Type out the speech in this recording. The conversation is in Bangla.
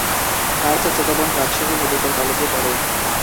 তার চাচাতো বোন রাজশাহী মেডিকেল কলেজে পড়ে।